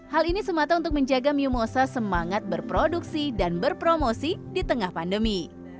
hal ini semata untuk menjaga miu mosa semangat berproduksi dan berpromosi di tengah pandemi